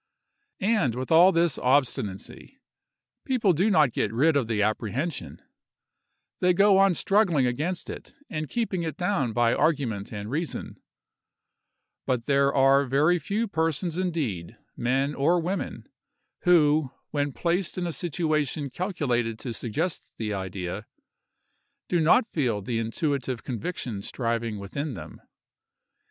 And, with all this obstinacy, people do not get rid of the apprehension; they go on struggling against it and keeping it down by argument and reason; but there are very few persons indeed, men or women, who, when placed in a situation calculated to suggest the idea, do not feel the intuitive conviction striving within them.